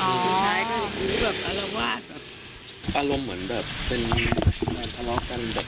อ๋อผู้ชายก็อยู่แบบอาระวาดแบบอารมณ์เหมือนแบบเป็นมาทะเลาะกันแบบ